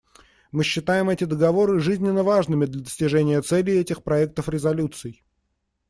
Мы считаем эти договоры жизненно важными для достижения целей этих проектов резолюций.